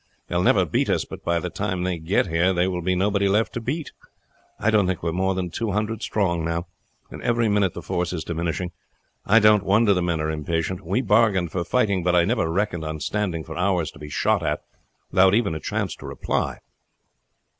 "They will never beat us, but by the time they get here there will be nobody left to beat. I don't think we are more than two hundred strong now, and every minute the force is diminishing. I don't wonder the men are impatient. We bargained for fighting, but I never reckoned on standing for hours to be shot at without even a chance to reply."